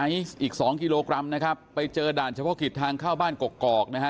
อีกสองกิโลกรัมนะครับไปเจอด่านเฉพาะกิจทางเข้าบ้านกกอกนะฮะ